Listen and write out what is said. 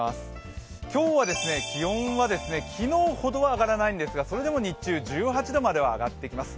今日は気温は昨日ほどは上がらないんですが、それでも日中１８度までは上がってきます。